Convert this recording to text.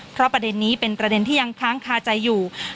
เพราะประเด็นนี้เป็นประเด็นที่ยังค้างคาใจอยู่